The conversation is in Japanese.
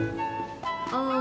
ああ